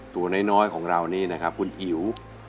ตัวน้อยของเรานี่นะครับคุณอิ๋ว